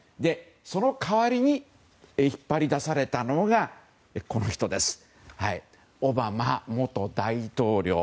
その代わりに引っ張り出されたのがオバマ元大統領。